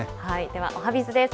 では、おはＢｉｚです。